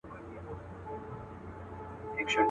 نه یوه مسته ترانه سته زه به چیري ځمه.